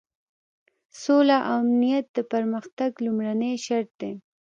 سوله او امنیت د پرمختګ لومړنی شرط دی.